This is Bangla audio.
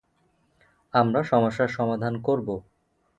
আমরা সমস্যার সমাধান করব।